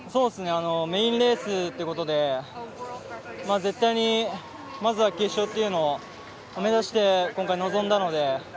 メインレースということで絶対にまずは決勝というのを目指して、今回臨んだので。